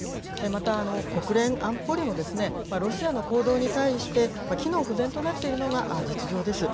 また、国連安保理もロシアの行動に対して、機能不全となっているのが実情です。